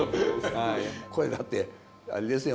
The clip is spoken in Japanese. これだってあれですよ